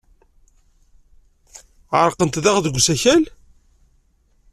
Ɛerqent daɣ deg usakal?